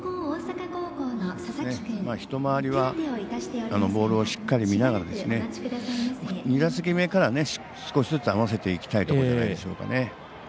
１回りはボールをしっかり見て２打席目から少しずつ合わせていきたいところですね。